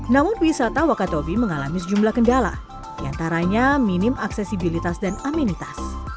namun wisata wakatobi mengalami sejumlah kendala diantaranya minim aksesibilitas dan amenitas